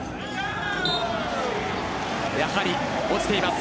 やはり、落ちています